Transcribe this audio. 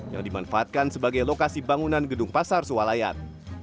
yang dimanfaatkan sebagai lokasi bangunan gedung pasar sualayan